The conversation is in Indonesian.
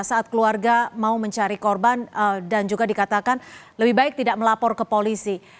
saat keluarga mau mencari korban dan juga dikatakan lebih baik tidak melapor ke polisi